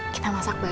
jumlah buku ini